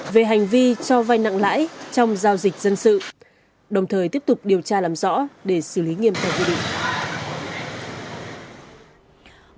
về hành vi cho vai nặng lãi trong giao dịch dân sự đồng thời tiếp tục điều tra làm rõ để xử lý nghiêm theo quy định